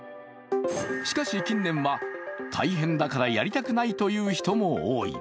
しかし、近年は大変だからやりたくないという人も多い。